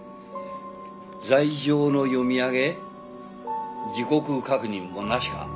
罪状の読み上げ時刻確認もなしか？